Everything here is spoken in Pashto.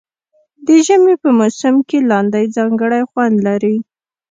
د ژمي په موسم کې لاندی ځانګړی خوند لري.